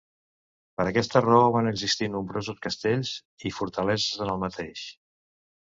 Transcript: Per aquesta raó van existir nombrosos castells i fortaleses en el mateix.